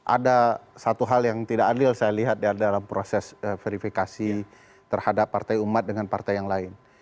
ada satu hal yang tidak adil saya lihat ya dalam proses verifikasi terhadap partai umat dengan partai yang lain